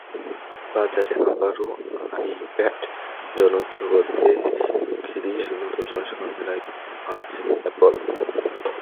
বাজারে আবারও আইপ্যাড জনপ্রিয় করতে শিগগিরই নতুন সংস্করণের আইপ্যাড আনছে অ্যাপল।